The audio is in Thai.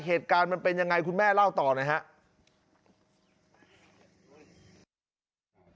เหตุการณ์มันเป็นยังไงคุณแม่เล่าต่อหน่อยครับ